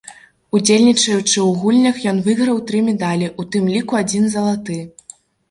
Удзельнічаючы ў гульнях, ён выйграў тры медалі, у тым ліку адзін залаты.